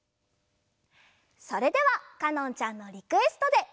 それではかのんちゃんのリクエストで。